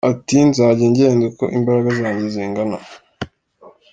Ati: "Nzanjya ngenda uko imbaraga zanjye zingana.